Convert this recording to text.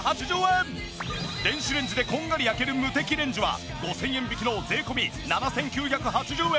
電子レンジでこんがり焼けるムテキレンジは５０００円引きの税込７９８０円。